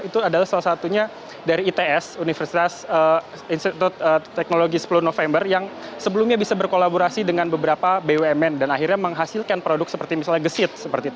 itu adalah salah satunya dari its universitas institut teknologi sepuluh november yang sebelumnya bisa berkolaborasi dengan beberapa bumn dan akhirnya menghasilkan produk seperti misalnya gesit